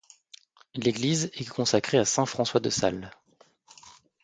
L'église est consacrée à saint François de Sales.